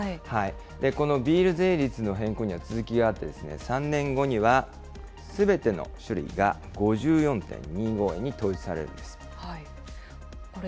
このビール税率の変更には続きがあって、３年後にはすべての酒類が５４．２５円に統一されるんでこれ、